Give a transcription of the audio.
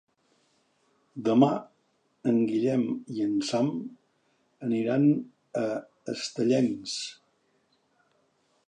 Demà en Guillem i en Sam aniran a Estellencs.